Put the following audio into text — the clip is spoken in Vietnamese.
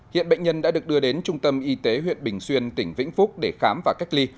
hiện bệnh nhân đã được đưa đến trung tâm y tế huyện bình xuyên tỉnh vĩnh phúc để khám và cách ly